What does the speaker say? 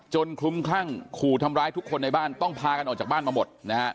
คลุมคลั่งขู่ทำร้ายทุกคนในบ้านต้องพากันออกจากบ้านมาหมดนะฮะ